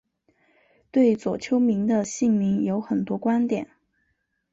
对左丘明的姓名有很多观点。